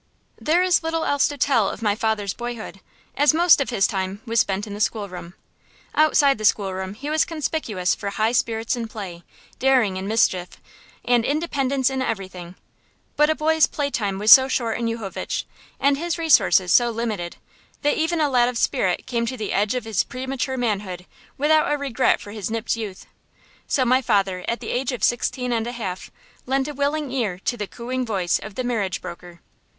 There is little else to tell of my father's boyhood, as most of his time was spent in the schoolroom. Outside the schoolroom he was conspicuous for high spirits in play, daring in mischief, and independence in everything. But a boy's playtime was so short in Yuchovitch, and his resources so limited, that even a lad of spirit came to the edge of his premature manhood without a regret for his nipped youth. So my father, at the age of sixteen and a half, lent a willing ear to the cooing voice of the marriage broker.